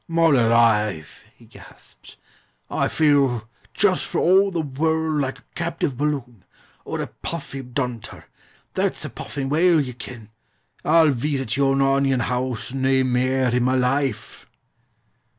"Mon alive!" he gasped. "I feel just for all the wor rld like a captive balloon, or a puffy dunter that's a puffing whale, ye ken. I'll veesit yon onion hoose nae mair i' ma life!"